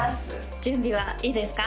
準備はいいですか？